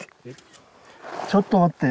ちょっと待って。